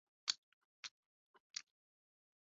背斑燕鳐为飞鱼科燕鳐属的鱼类。